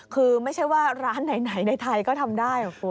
คือไม่ใช่ว่าร้านไหนในไทยก็ทำได้คุณ